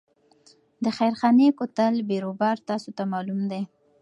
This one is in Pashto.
د خیرخانې کوتل بیروبار تاسو ته معلوم دی.